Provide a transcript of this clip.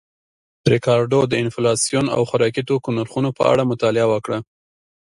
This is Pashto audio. ریکارډو د انفلاسیون او خوراکي توکو نرخونو په اړه مطالعه وکړه